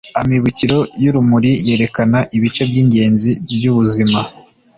amibukiro y'urumuri yerekana ibice by’ingenzi by’ubuzima